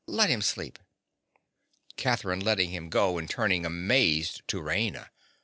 Let him sleep. CATHERINE. (letting him go and turning amazed to Raina).